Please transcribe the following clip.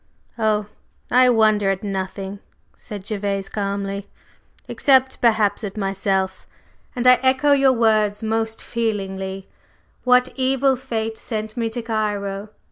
"Oh, I wonder at nothing," said Gervase calmly, "except, perhaps, at myself. And I echo your words most feelingly, What evil fate sent me to Cairo?